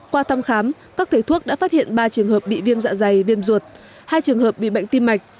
qua thăm khám các thầy thuốc đã phát hiện ba trường hợp bị viêm dạ dày viêm ruột hai trường hợp bị bệnh tim mạch